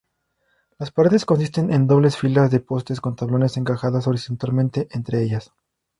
Las paredes consisten en dobles filas de postes con tablones encajadas horizontalmente entre ellas.